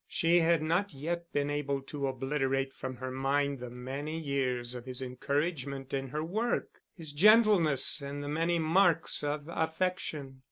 She had not yet been able to obliterate from her mind the many years of his encouragement in her work, his gentleness and the many marks of affection.